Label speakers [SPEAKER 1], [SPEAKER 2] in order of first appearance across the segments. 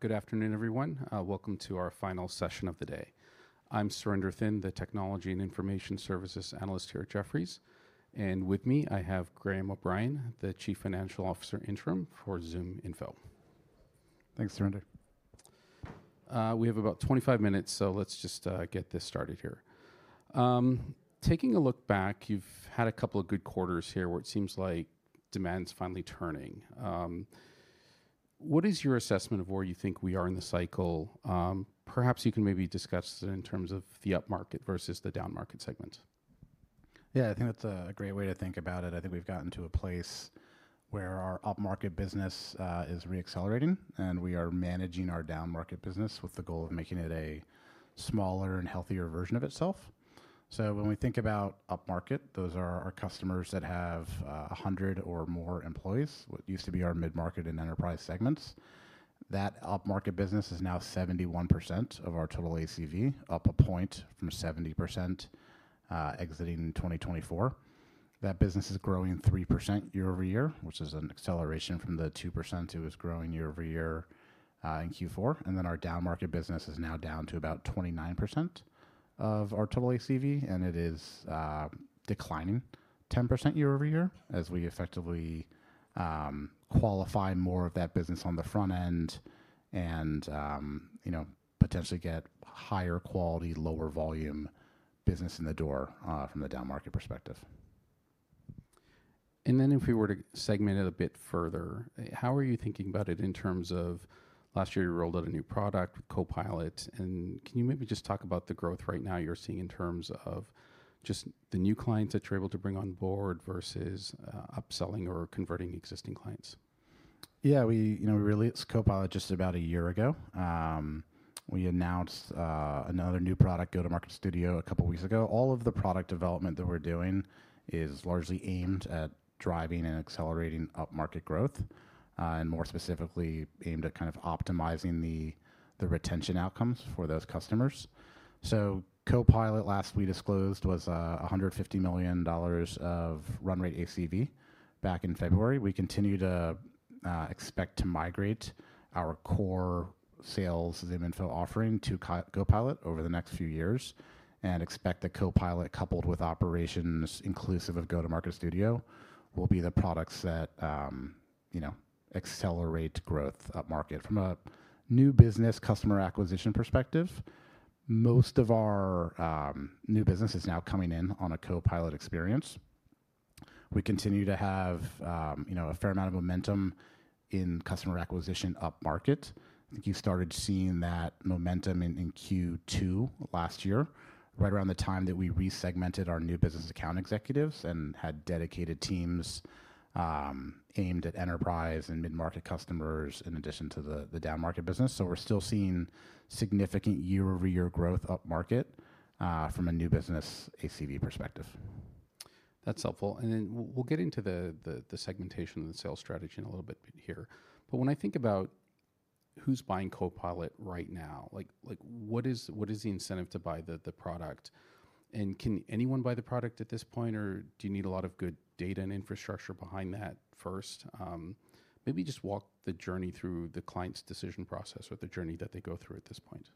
[SPEAKER 1] Good afternoon, everyone. Welcome to our final session of the day. I'm Surinder Thind, the Technology and Information Services Analyst here at Jefferies. With me, I have Graham O'Brien, the Interim Chief Financial Officer for ZoomInfo.
[SPEAKER 2] Thanks, Surinder.
[SPEAKER 1] We have about 25 minutes, so let's just get this started here. Taking a look back, you've had a couple of good quarters here where it seems like demand's finally turning. What is your assessment of where you think we are in the cycle? Perhaps you can maybe discuss it in terms of the upmarket versus the downmarket segments.
[SPEAKER 2] Yeah, I think that's a great way to think about it. I think we've gotten to a place where our upmarket business is reaccelerating, and we are managing our downmarket business with the goal of making it a smaller and healthier version of itself. When we think about upmarket, those are our customers that have 100 or more employees, what used to be our mid-market and enterprise segments. That upmarket business is now 71% of our total ACV, up a point from 70% exiting 2024. That business is growing 3% year-over-year, which is an acceleration from the 2% it was growing year-over-year in Q4. Our downmarket business is now down to about 29% of our total ACV, and it is declining 10% year-over-year as we effectively qualify more of that business on the front end and potentially get higher quality, lower volume business in the door from the downmarket perspective.
[SPEAKER 1] If we were to segment it a bit further, how are you thinking about it in terms of last year you rolled out a new product, Copilot? Can you maybe just talk about the growth right now you're seeing in terms of just the new clients that you're able to bring on board versus upselling or converting existing clients?
[SPEAKER 2] Yeah, we released Copilot just about a year ago. We announced another new product, Go-to-Market Studio, a couple of weeks ago. All of the product development that we're doing is largely aimed at driving and accelerating upmarket growth, and more specifically aimed at kind of optimizing the retention outcomes for those customers. Copilot, last we disclosed, was $150 million of run rate ACV back in February. We continue to expect to migrate our core sales ZoomInfo offering to Copilot over the next few years and expect that Copilot, coupled with operations inclusive of Go-to-Market Studio, will be the products that accelerate growth upmarket. From a new business customer acquisition perspective, most of our new business is now coming in on a Copilot experience. We continue to have a fair amount of momentum in customer acquisition upmarket. I think you started seeing that momentum in Q2 last year, right around the time that we resegmented our new business account executives and had dedicated teams aimed at enterprise and mid-market customers in addition to the downmarket business. We are still seeing significant year-over-year growth upmarket from a new business ACV perspective.
[SPEAKER 1] That's helpful. We'll get into the segmentation and the sales strategy in a little bit here. When I think about who's buying Copilot right now, what is the incentive to buy the product? Can anyone buy the product at this point, or do you need a lot of good data and infrastructure behind that first? Maybe just walk the journey through the client's decision process or the journey that they go through at this point.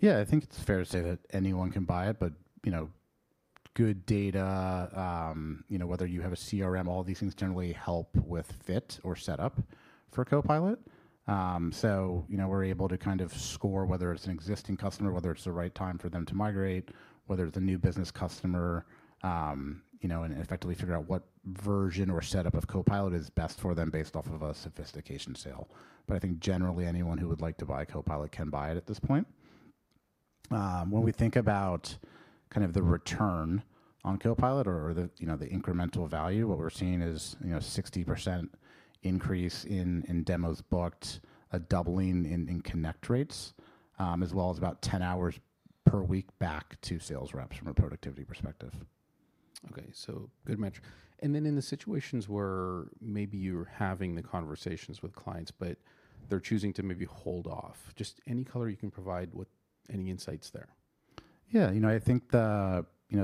[SPEAKER 2] Yeah, I think it's fair to say that anyone can buy it, but good data, whether you have a CRM, all these things generally help with fit or setup for Copilot. So we're able to kind of score whether it's an existing customer, whether it's the right time for them to migrate, whether it's a new business customer, and effectively figure out what version or setup of Copilot is best for them based off of a sophistication sale. I think generally anyone who would like to buy Copilot can buy it at this point. When we think about kind of the return on Copilot or the incremental value, what we're seeing is a 60% increase in demos booked, a doubling in connect rates, as well as about 10 hours per week back to sales reps from a productivity perspective.
[SPEAKER 1] Okay, so good metric. And then in the situations where maybe you're having the conversations with clients, but they're choosing to maybe hold off, just any color you can provide with any insights there?
[SPEAKER 2] Yeah, I think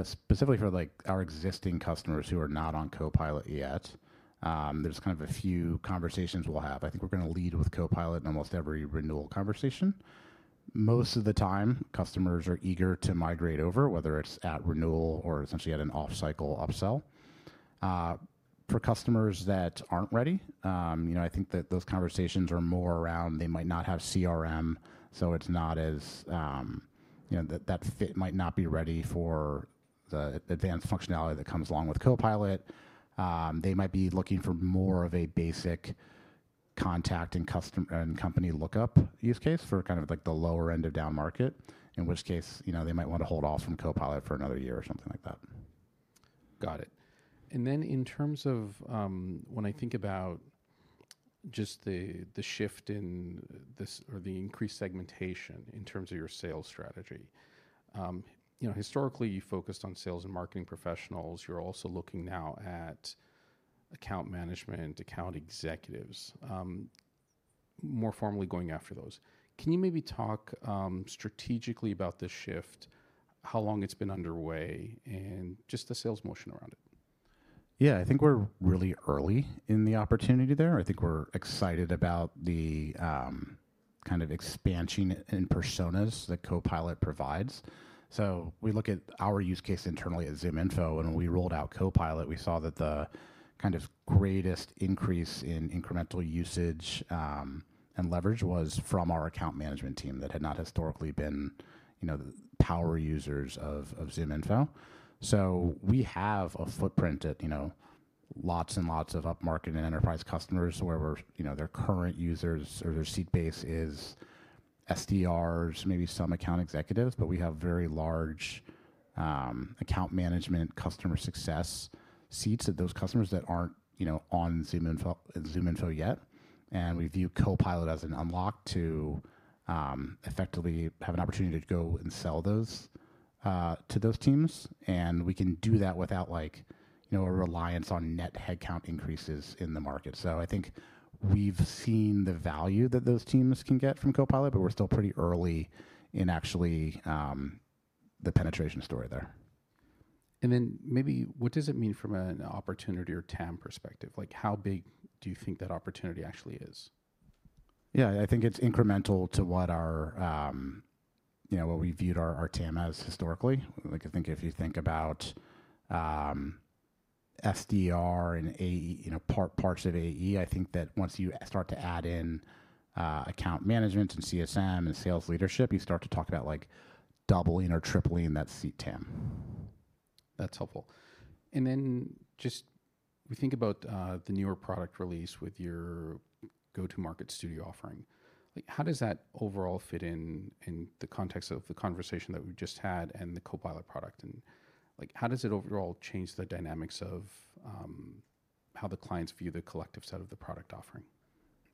[SPEAKER 2] specifically for our existing customers who are not on Copilot yet, there's kind of a few conversations we'll have. I think we're going to lead with Copilot in almost every renewal conversation. Most of the time, customers are eager to migrate over, whether it's at renewal or essentially at an off-cycle upsell. For customers that aren't ready, I think that those conversations are more around they might not have CRM, so that fit might not be ready for the advanced functionality that comes along with Copilot. They might be looking for more of a basic contact and company lookup use case for kind of the lower end of downmarket, in which case they might want to hold off from Copilot for another year or something like that.
[SPEAKER 1] Got it. In terms of when I think about just the shift in this or the increased segmentation in terms of your sales strategy, historically you focused on sales and marketing professionals. You're also looking now at account management, account executives, more formally going after those. Can you maybe talk strategically about this shift, how long it's been underway, and just the sales motion around it?
[SPEAKER 2] Yeah, I think we're really early in the opportunity there. I think we're excited about the kind of expansion in personas that Copilot provides. We look at our use case internally at ZoomInfo, and when we rolled out Copilot, we saw that the kind of greatest increase in incremental usage and leverage was from our account management team that had not historically been power users of ZoomInfo. We have a footprint at lots and lots of upmarket and enterprise customers where their current users or their seat base is SDRs, maybe some account executives, but we have very large account management customer success seats at those customers that aren't on ZoomInfo yet. We view Copilot as an unlock to effectively have an opportunity to go and sell those to those teams. We can do that without a reliance on net headcount increases in the market. I think we've seen the value that those teams can get from Copilot, but we're still pretty early in actually the penetration story there.
[SPEAKER 1] Maybe what does it mean from an opportunity or TAM perspective? How big do you think that opportunity actually is?
[SPEAKER 2] Yeah, I think it's incremental to what we viewed our TAM as historically. I think if you think about SDR and parts of AE, I think that once you start to add in account management and CSM and sales leadership, you start to talk about doubling or tripling that seat TAM.
[SPEAKER 1] That's helpful. Just as we think about the newer product release with your Go-to-Market Studio offering, how does that overall fit in the context of the conversation that we just had and the Copilot product? How does it overall change the dynamics of how the clients view the collective set of the product offering?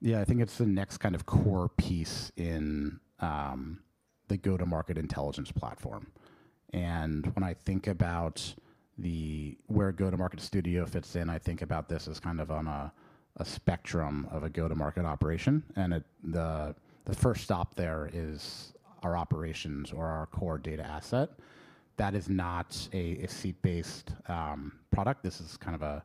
[SPEAKER 2] Yeah, I think it's the next kind of core piece in the Go-to-Market intelligence platform. When I think about where Go-to-Market Studio fits in, I think about this as kind of on a spectrum of a Go-to-Market operation. The first stop there is our operations or our core data asset. That is not a seat-based product. This is kind of a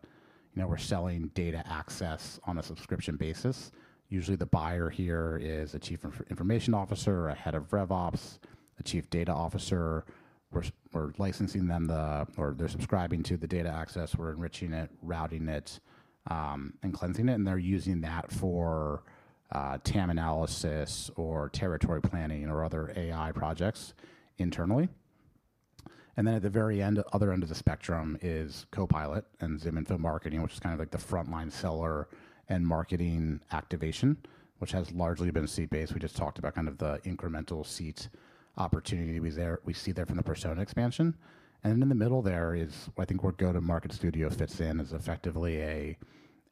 [SPEAKER 2] we're selling data access on a subscription basis. Usually, the buyer here is a Chief Information Officer or a head of RevOps, a Chief Data Officer. We're licensing them or they're subscribing to the data access. We're enriching it, routing it, and cleansing it. They're using that for TAM analysis or territory planning or other AI projects internally. At the very other end of the spectrum is Copilot and ZoomInfo Marketing, which is kind of like the frontline seller and marketing activation, which has largely been seat-based. We just talked about kind of the incremental seat opportunity we see there from the persona expansion. In the middle, there is, I think, where Go-to-Market Studio fits in as effectively an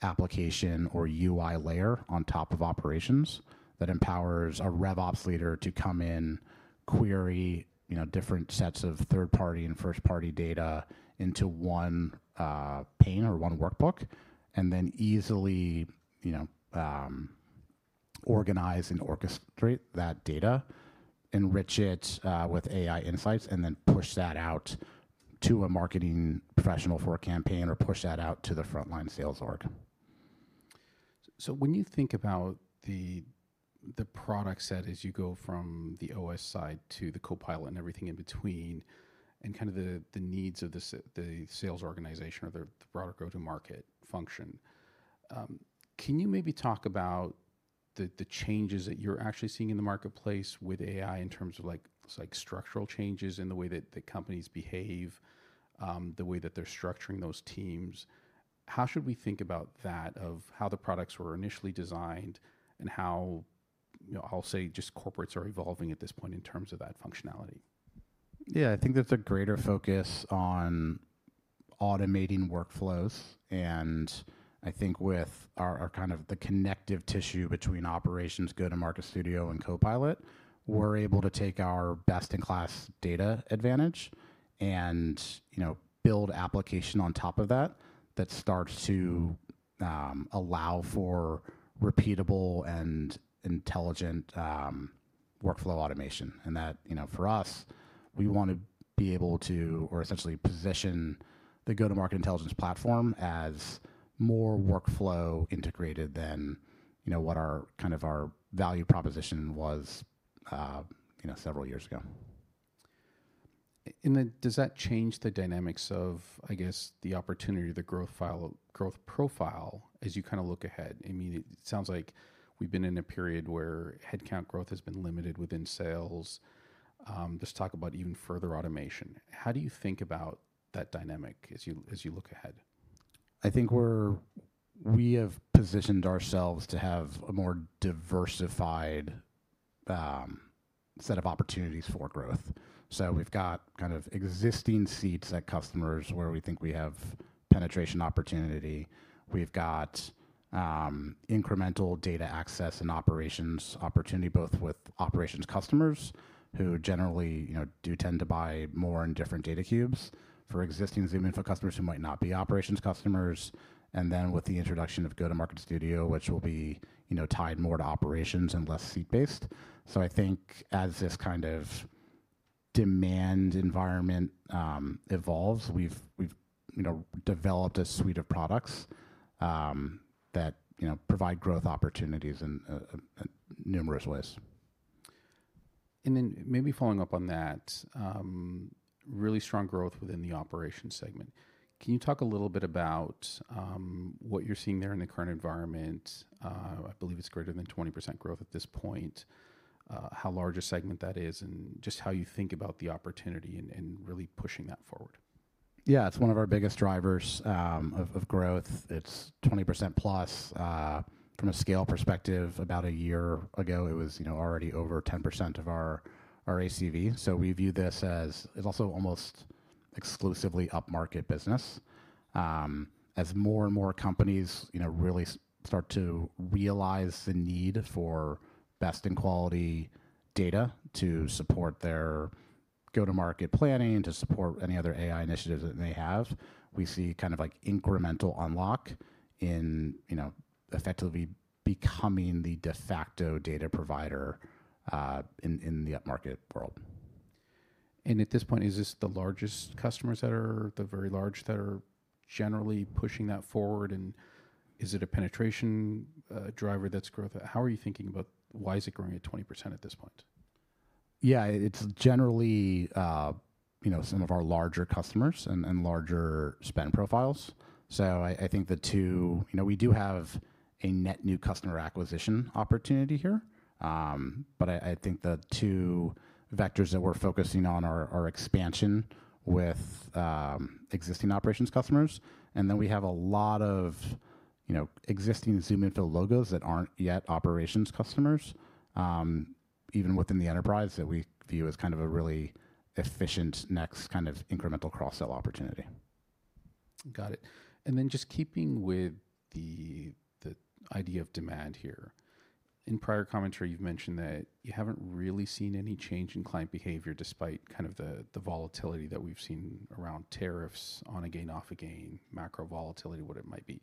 [SPEAKER 2] application or UI layer on top of operations that empowers a RevOps leader to come in, query different sets of third-party and first-party data into one pane or one workbook, and then easily organize and orchestrate that data, enrich it with AI insights, and then push that out to a marketing professional for a campaign or push that out to the frontline sales org.
[SPEAKER 1] When you think about the product set as you go from the OS side to the Copilot and everything in between and kind of the needs of the sales organization or the broader Go-to-Market function, can you maybe talk about the changes that you're actually seeing in the marketplace with AI in terms of structural changes in the way that companies behave, the way that they're structuring those teams? How should we think about that, of how the products were initially designed and how, I'll say, just corporates are evolving at this point in terms of that functionality?
[SPEAKER 2] Yeah, I think there's a greater focus on automating workflows. I think with kind of the connective tissue between operations, Go-to-Market Studio, and Copilot, we're able to take our best-in-class data advantage and build application on top of that that starts to allow for repeatable and intelligent workflow automation. That for us, we want to be able to, or essentially position the Go-to-Market intelligence platform as more workflow integrated than what kind of our value proposition was several years ago.
[SPEAKER 1] Does that change the dynamics of, I guess, the opportunity, the growth profile as you kind of look ahead? I mean, it sounds like we've been in a period where headcount growth has been limited within sales. Let's talk about even further automation. How do you think about that dynamic as you look ahead?
[SPEAKER 2] I think we have positioned ourselves to have a more diversified set of opportunities for growth. We have got kind of existing seats at customers where we think we have penetration opportunity. We have got incremental data access and operations opportunity, both with operations customers who generally do tend to buy more in different data cubes for existing ZoomInfo customers who might not be operations customers. Then with the introduction of Go-to-Market Studio, which will be tied more to operations and less seat-based. I think as this kind of demand environment evolves, we have developed a suite of products that provide growth opportunities in numerous ways.
[SPEAKER 1] Maybe following up on that, really strong growth within the operations segment. Can you talk a little bit about what you're seeing there in the current environment? I believe it's greater than 20% growth at this point, how large a segment that is, and just how you think about the opportunity and really pushing that forward?
[SPEAKER 2] Yeah, it's one of our biggest drivers of growth. It's 20% plus from a scale perspective. About a year ago, it was already over 10% of our ACV. We view this as it's also almost exclusively upmarket business. As more and more companies really start to realize the need for best-in-quality data to support their Go-to-Market planning, to support any other AI initiatives that they have, we see kind of incremental unlock in effectively becoming the de facto data provider in the upmarket world.
[SPEAKER 1] At this point, is this the largest customers that are the very large that are generally pushing that forward? Is it a penetration driver that's growth? How are you thinking about why is it growing at 20% at this point?
[SPEAKER 2] Yeah, it's generally some of our larger customers and larger spend profiles. I think the two, we do have a net new customer acquisition opportunity here, but I think the two vectors that we're focusing on are expansion with existing operations customers. We have a lot of existing ZoomInfo logos that aren't yet operations customers, even within the enterprise, that we view as kind of a really efficient next kind of incremental cross-sell opportunity.
[SPEAKER 1] Got it. Just keeping with the idea of demand here, in prior commentary, you've mentioned that you haven't really seen any change in client behavior despite kind of the volatility that we've seen around tariffs on again, off again, macro volatility, what it might be.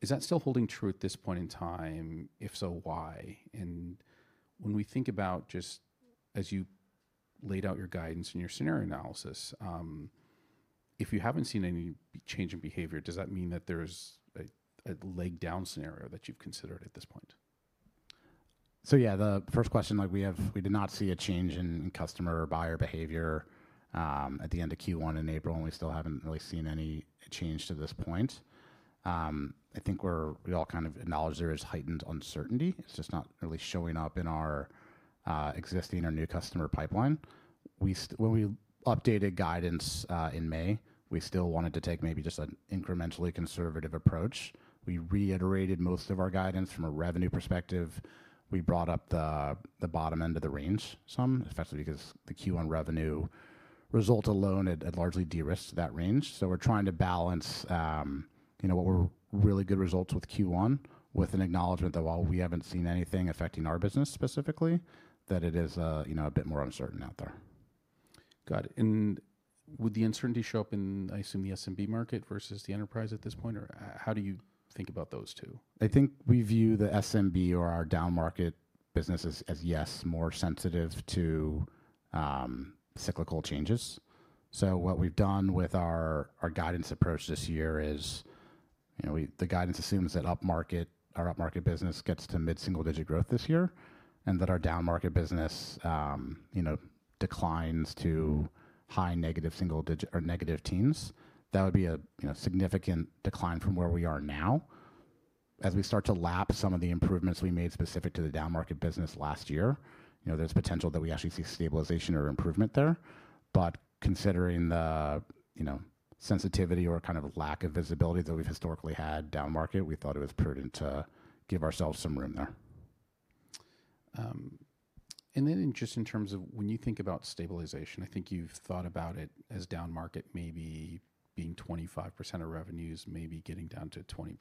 [SPEAKER 1] Is that still holding true at this point in time? If so, why? When we think about just as you laid out your guidance and your scenario analysis, if you haven't seen any change in behavior, does that mean that there's a leg down scenario that you've considered at this point?
[SPEAKER 2] Yeah, the first question, we did not see a change in customer or buyer behavior at the end of Q1 in April, and we still haven't really seen any change to this point. I think we all kind of acknowledge there is heightened uncertainty. It's just not really showing up in our existing or new customer pipeline. When we updated guidance in May, we still wanted to take maybe just an incrementally conservative approach. We reiterated most of our guidance from a revenue perspective. We brought up the bottom end of the range some, especially because the Q1 revenue result alone, it largely de-risked that range. We're trying to balance what were really good results with Q1 with an acknowledgment that while we haven't seen anything affecting our business specifically, it is a bit more uncertain out there.
[SPEAKER 1] Got it. Would the uncertainty show up in, I assume, the SMB market versus the enterprise at this point? Or how do you think about those two?
[SPEAKER 2] I think we view the SMB or our downmarket business as, yes, more sensitive to cyclical changes. What we've done with our guidance approach this year is the guidance assumes that our upmarket business gets to mid-single-digit growth this year and that our downmarket business declines to high negative single or negative teens. That would be a significant decline from where we are now. As we start to lap some of the improvements we made specific to the downmarket business last year, there's potential that we actually see stabilization or improvement there. Considering the sensitivity or kind of lack of visibility that we've historically had downmarket, we thought it was prudent to give ourselves some room there.
[SPEAKER 1] Just in terms of when you think about stabilization, I think you've thought about it as downmarket maybe being 25% of revenues, maybe getting down to 20%.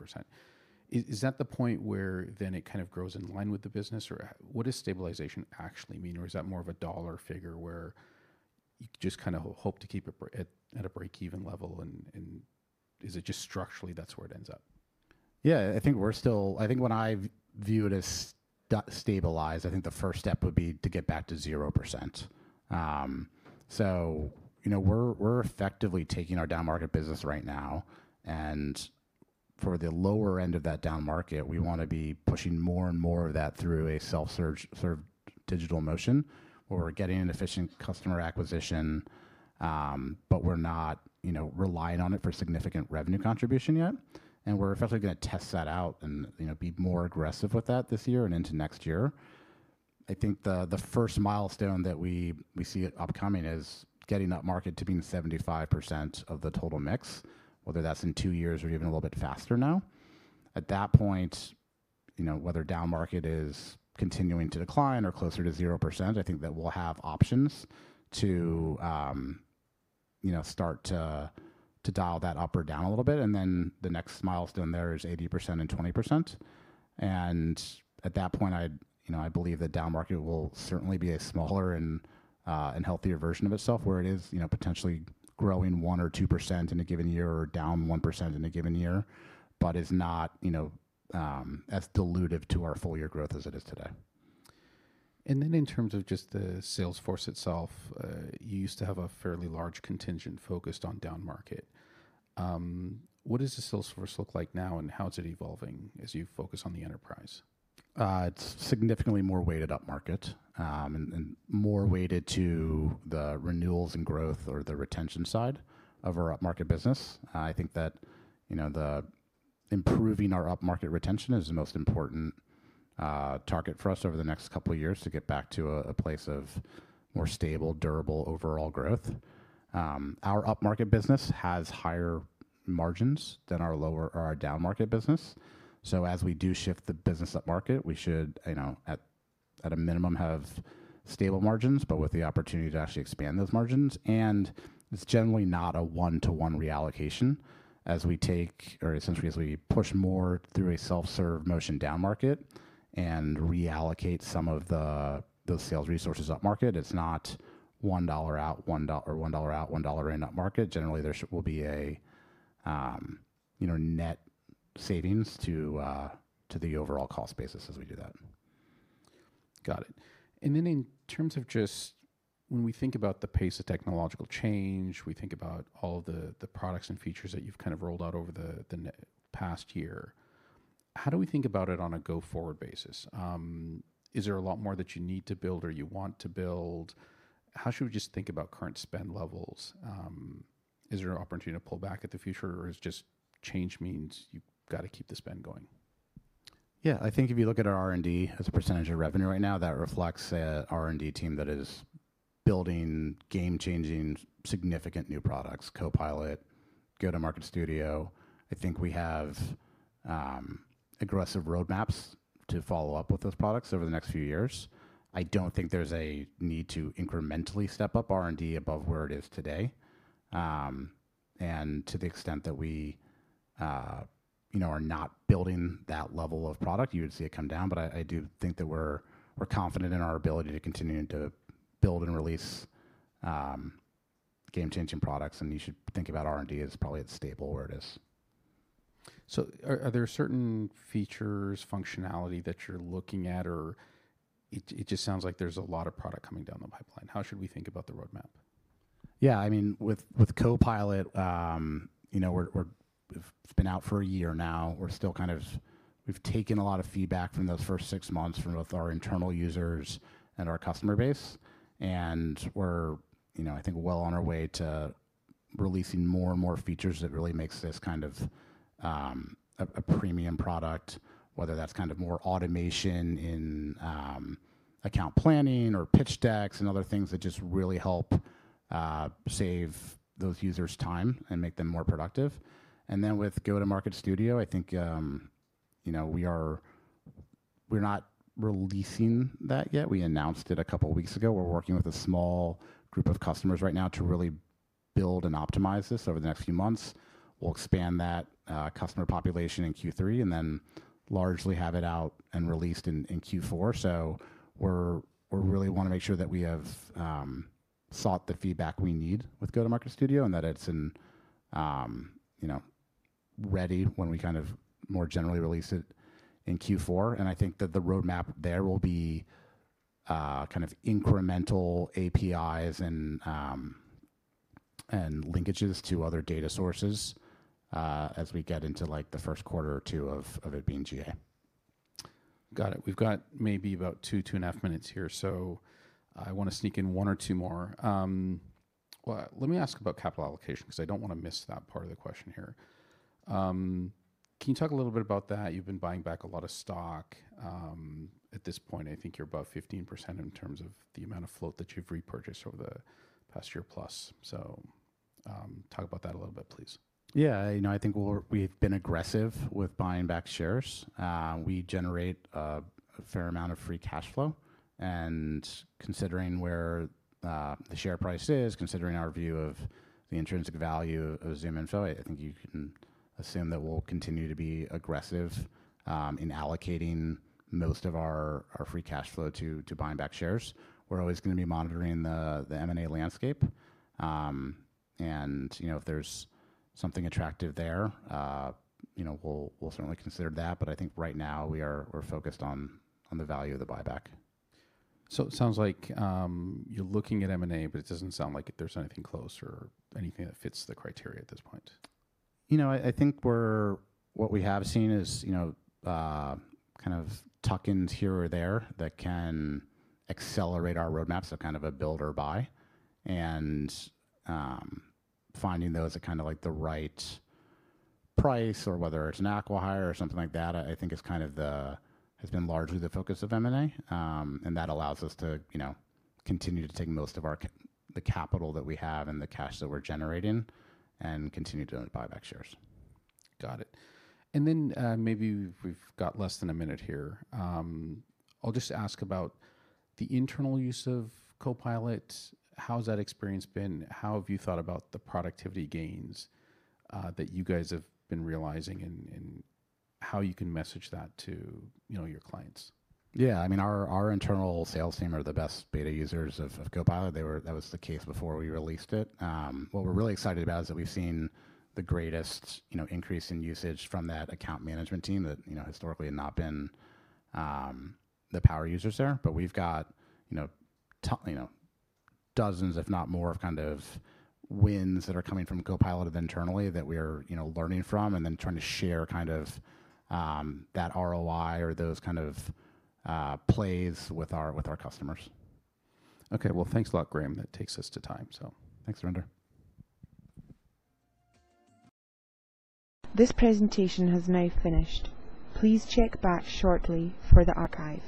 [SPEAKER 1] Is that the point where then it kind of grows in line with the business? What does stabilization actually mean? Is that more of a dollar figure where you just kind of hope to keep it at a break-even level? Is it just structurally that's where it ends up?
[SPEAKER 2] Yeah, I think we're still, I think when I view it as stabilized, I think the first step would be to get back to 0%. We're effectively taking our downmarket business right now, and for the lower end of that downmarket, we want to be pushing more and more of that through a self-serve digital motion where we're getting an efficient customer acquisition, but we're not relying on it for significant revenue contribution yet. We're effectively going to test that out and be more aggressive with that this year and into next year. I think the first milestone that we see upcoming is getting that market to being 75% of the total mix, whether that's in two years or even a little bit faster now. At that point, whether downmarket is continuing to decline or closer to 0%, I think that we'll have options to start to dial that up or down a little bit. The next milestone there is 80% and 20%. At that point, I believe that downmarket will certainly be a smaller and healthier version of itself where it is potentially growing 1% or 2% in a given year or down 1% in a given year, but is not as dilutive to our full year growth as it is today.
[SPEAKER 1] In terms of just the Salesforce itself, you used to have a fairly large contingent focused on downmarket. What does the Salesforce look like now, and how is it evolving as you focus on the enterprise?
[SPEAKER 2] It's significantly more weighted upmarket and more weighted to the renewals and growth or the retention side of our upmarket business. I think that improving our upmarket retention is the most important target for us over the next couple of years to get back to a place of more stable, durable overall growth. Our upmarket business has higher margins than our lower or our downmarket business. As we do shift the business upmarket, we should, at a minimum, have stable margins, but with the opportunity to actually expand those margins. It's generally not a one-to-one reallocation as we take or essentially as we push more through a self-serve motion downmarket and reallocate some of those sales resources upmarket. It's not $1 out, $1 out, $1 in upmarket. Generally, there will be a net savings to the overall cost basis as we do that.
[SPEAKER 1] Got it. In terms of just when we think about the pace of technological change, we think about all of the products and features that you've kind of rolled out over the past year, how do we think about it on a go-forward basis? Is there a lot more that you need to build or you want to build? How should we just think about current spend levels? Is there an opportunity to pull back at the future, or does change mean you've got to keep the spend going?
[SPEAKER 2] Yeah, I think if you look at our R&D as a % of revenue right now, that reflects an R&D team that is building game-changing, significant new products, Copilot, Go-to-Market Studio. I think we have aggressive roadmaps to follow up with those products over the next few years. I don't think there's a need to incrementally step up R&D above where it is today. To the extent that we are not building that level of product, you would see it come down. I do think that we're confident in our ability to continue to build and release game-changing products. You should think about R&D as probably at stable where it is.
[SPEAKER 1] Are there certain features, functionality that you're looking at, or it just sounds like there's a lot of product coming down the pipeline? How should we think about the roadmap?
[SPEAKER 2] Yeah, I mean, with Copilot, we've been out for a year now. We're still kind of we've taken a lot of feedback from those first six months from both our internal users and our customer base. We're, I think, well on our way to releasing more and more features that really make this kind of a premium product, whether that's kind of more automation in account planning or pitch decks and other things that just really help save those users' time and make them more productive. With Go-to-Market Studio, I think we're not releasing that yet. We announced it a couple of weeks ago. We're working with a small group of customers right now to really build and optimize this over the next few months. We'll expand that customer population in Q3 and then largely have it out and released in Q4. We really want to make sure that we have sought the feedback we need with Go-to-Market Studio and that it's ready when we kind of more generally release it in Q4. I think that the roadmap there will be kind of incremental APIs and linkages to other data sources as we get into the first quarter or two of it being GA.
[SPEAKER 1] Got it. We've got maybe about two, two and a half minutes here, so I want to sneak in one or two more. Let me ask about capital allocation because I don't want to miss that part of the question here. Can you talk a little bit about that? You've been buying back a lot of stock. At this point, I think you're above 15% in terms of the amount of float that you've repurchased over the past year plus. Talk about that a little bit, please.
[SPEAKER 2] Yeah, I think we've been aggressive with buying back shares. We generate a fair amount of free cash flow. Considering where the share price is, considering our view of the intrinsic value of ZoomInfo, I think you can assume that we'll continue to be aggressive in allocating most of our free cash flow to buying back shares. We're always going to be monitoring the M&A landscape. If there's something attractive there, we'll certainly consider that. I think right now we're focused on the value of the buyback.
[SPEAKER 1] It sounds like you're looking at M&A, but it doesn't sound like there's anything close or anything that fits the criteria at this point.
[SPEAKER 2] I think what we have seen is kind of tuck-ins here or there that can accelerate our roadmap. Kind of a build or buy. Finding those at kind of like the right price or whether it's an acquihire or something like that, I think has been largely the focus of M&A. That allows us to continue to take most of the capital that we have and the cash that we're generating and continue to buy back shares.
[SPEAKER 1] Got it. Maybe we've got less than a minute here. I'll just ask about the internal use of Copilot. How has that experience been? How have you thought about the productivity gains that you guys have been realizing and how you can message that to your clients?
[SPEAKER 2] Yeah, I mean, our internal sales team are the best beta users of Copilot. That was the case before we released it. What we're really excited about is that we've seen the greatest increase in usage from that account management team that historically had not been the power users there. We've got dozens, if not more, of kind of wins that are coming from Copilot internally that we're learning from and then trying to share kind of that ROI or those kind of plays with our customers.
[SPEAKER 1] Okay, thanks a lot, Graham. That takes us to time, so
[SPEAKER 2] Thanks, Surinder.
[SPEAKER 3] This presentation has now finished. Please check back shortly for the archive.